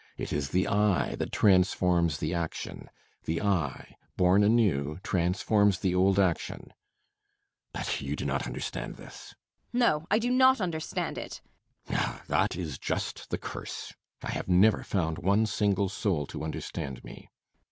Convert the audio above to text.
It is the eye that transforms the action. The eye, born anew, transforms the old action. [Breaking off.] But you do not understand this. MRS. BORKMAN. [Curtly.] No, I do not understand it. BORKMAN. Ah, that is just the curse I have never found one single soul to understand me.